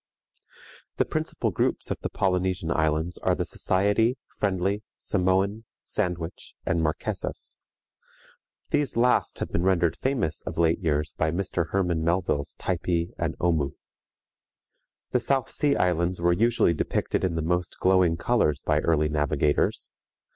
The principal groups of the Polynesian Islands are the Society, Friendly, Samoan, Sandwich, and Marquesas. These last have been rendered famous of late years by Mr. Hermann Melville's Typee and Omoo. The South Sea Islands were usually depicted in the most glowing colors by early navigators.